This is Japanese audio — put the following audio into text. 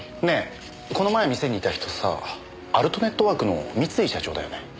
ねえこの前店にいた人さアルトネットワークの三井社長だよね？